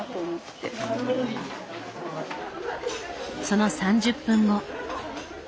その３０分後。